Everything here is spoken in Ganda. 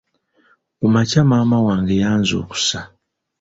Ku makya maama wange yanzukusa.